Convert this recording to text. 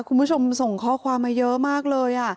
คุณผู้ชมส่งข้อความมาเยอะมากเลย